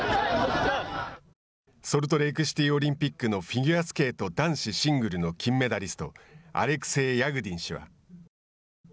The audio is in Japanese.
ソルトレークシティーオリンピックのフィギュアスケート男子シングルの金メダリストアレクセイ・ヤグディン氏は。